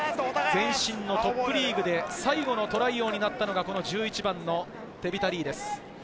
前身のトップリーグで最後のトライ王になったのが１１番のテビタ・リーです。